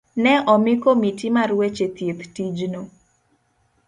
ne omi komiti mar weche thieth tijno.